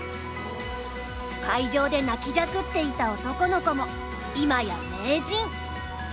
会場で泣きじゃくっていた男の子も今や名人。